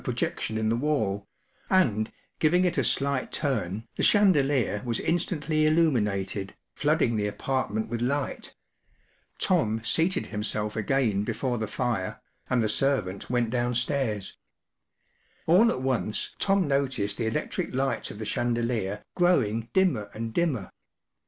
” The maid walked to a projec¬ tion in the wall, and, giving it a slight turn, the chandelier was instantly illuminated, flood¬ ing the apartment with light* Tom seated himself again before the fire, and the servant went downstairs, All at once Tom noticed the electric lights of the chandelier growing dimmer and dimmer.